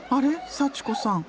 祥子さん